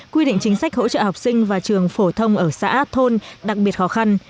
quy định chính sách hỗ trợ học sinh và trường phổ thông ở xã thôn đặc biệt khó khăn